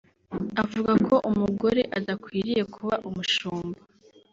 Abavuga ko umugore adakwiriye kuba umushumba